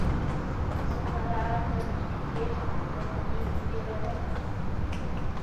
زه کرار درنیژدې کېږم له تنې دي بېلومه